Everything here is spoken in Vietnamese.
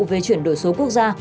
về chuyển đổi số quốc gia